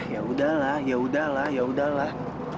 ya udah lah ya udah lah ya udah lah